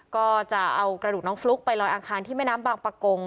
ก็จะเอากระดูกน้องฟลุ๊กไปลอยอังคารที่แม่น้ำบางประกง